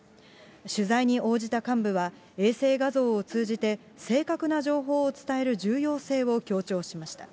取材に応じた幹部は、衛星画像を通じて、正確な情報を伝える重要性を強調しました。